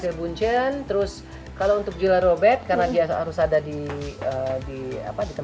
giselle bundchen terus kalau untuk gila robet karena dia harus ada di tempat syuting